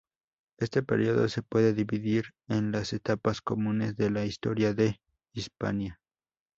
Este periodo se puede dividir en las etapas comunes de la historia de Hispania.